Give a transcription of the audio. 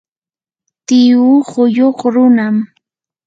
tiyuu qulluq runam.